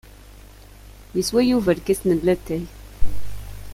Yeswa Yuba lkas n latay.